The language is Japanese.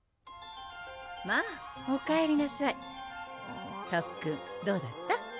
まぁおかえりなさい特訓どうだった？